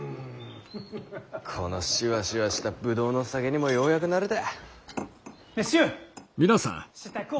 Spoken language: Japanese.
このシワシワした葡萄の酒にもようやく慣れた。